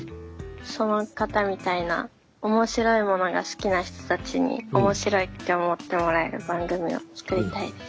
その方みたいな面白いものが好きな人たちに「面白い」って思ってもらえる番組を作りたいです。